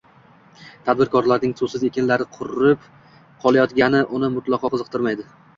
Tadbirkorlarning suvsiz ekinlari qurib qolayotgani uni mutlaqo qiziqtirmaydi